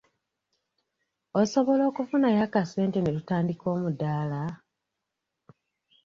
Osobola okufunayo akasente ne tutandika omudaala?